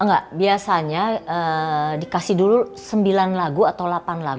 enggak biasanya dikasih dulu sembilan lagu atau delapan lagu